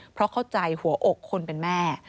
เพราะเข้าใจหัวอกคนเป็นแม่